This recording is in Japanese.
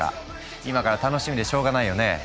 今から楽しみでしょうがないよね。